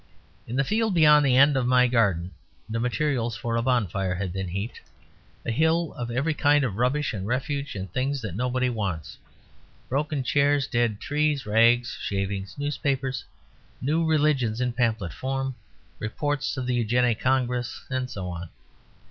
In the field beyond the end of my garden the materials for a bonfire had been heaped; a hill of every kind of rubbish and refuse and things that nobody wants; broken chairs, dead trees, rags, shavings, newspapers, new religions, in pamphlet form, reports of the Eugenic Congress, and so on.